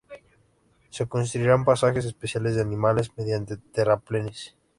Se construirán pasajes especiales de animales mediante terraplenes.